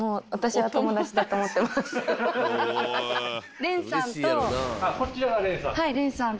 はい蓮さんと。